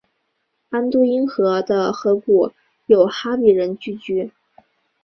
安都因河的河谷有哈比人聚居。